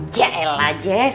ya elah jess